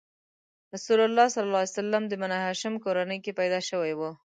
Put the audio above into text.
رسول الله د بنیهاشم کورنۍ کې پیدا شوی و.